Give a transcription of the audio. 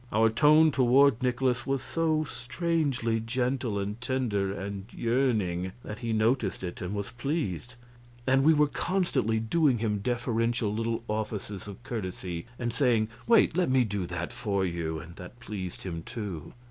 Our tone toward Nikolaus was so strangely gentle and tender and yearning that he noticed it, and was pleased; and we were constantly doing him deferential little offices of courtesy, and saying, "Wait, let me do that for you," and that pleased him, too.